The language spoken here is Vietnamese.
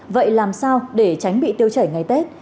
vậy làm sao để tránh bị tiêu chảy ngày tết